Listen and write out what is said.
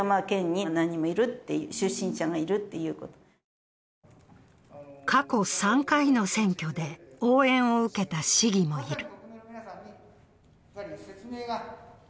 富山大学の講師は過去３回の選挙で応援を受けた市議もいる。